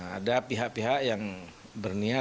ada pihak pihak yang berniat